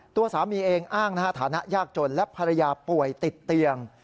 ตัวสามีเองอ้างนะฮะฐานะยากจนและภรรยาป่วยติดเตียง